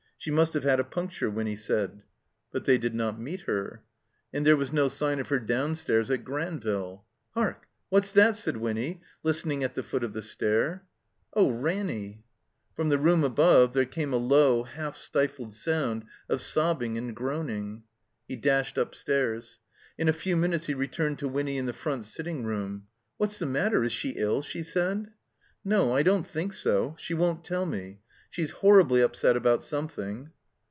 She must have had a puncture, Winny said. 214 THE COMBINED MAZE But they did not meet her. And there was no sign of her downstairs at Gran ville. ''Hark! What's that?" said Winny, listening at the foot of the stair. "Oh, Ranny!" Prom the room above there came a low, half stifled sound of sobbing and groaning. He dashed upstairs. In a few minutes he returned to Winny in the front sitting room. "What's the matter? Is she ill?" she said. "No, I don't think so. She won't teU me. She's horribly upset about something."